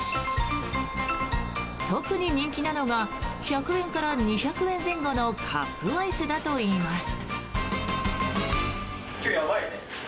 特に人気なのが１００円から２００円前後のカップアイスだといいます。